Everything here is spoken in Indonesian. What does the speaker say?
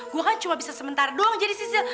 gue kan cuma bisa sementara doang jadi sis sis